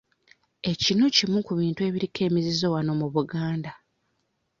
Ekinu kimu ku bintu ebiriko emizizo wano mu Buganda.